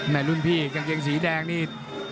รุ่นพี่กางเกงสีแดงนี่